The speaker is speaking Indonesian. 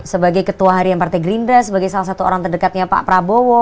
sebagai ketua harian partai gerindra sebagai salah satu orang terdekatnya pak prabowo